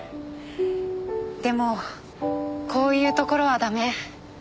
でもこういうところは駄目。